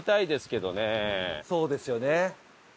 そうですよね。